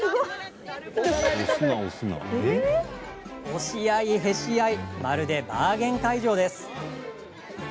押し合いへし合いまるでバーゲン会場です。